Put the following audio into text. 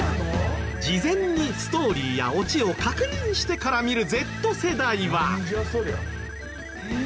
事前にストーリーやオチを確認してから見るＺ世代は。